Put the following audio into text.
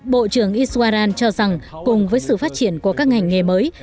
bộ trưởng iswaran cho rằng cùng với sự phát triển của các ngành nghề mới